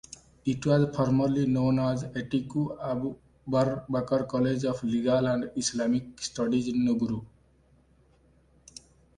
It was formerly known as Atiku Abubakar College of Legal and Islamic Studies Nguru.